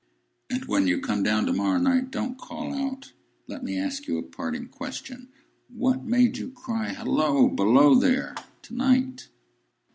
"And when you come down to morrow night, don't call out! Let me ask you a parting question. What made you cry, 'Halloa! Below there!' to night?"